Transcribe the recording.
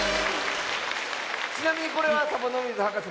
ちなみにこれはサボノミズはかせ